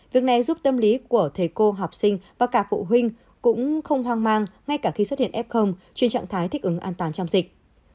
việc này giúp tâm lý của thầy cô học sinh và cả phụ huynh cũng không hoang mang ngay cả khi xuất hiện f trên trạng thái thích ứng an toàn trong dịch